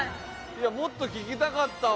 いやもっと聴きたかったわ。